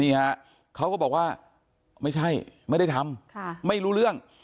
นี่ฮะเขาก็บอกว่าไม่ใช่ไม่ได้ทำไม่รู้เรื่อง